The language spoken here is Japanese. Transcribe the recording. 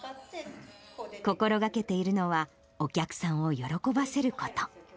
心がけているのは、お客さんを喜ばせること。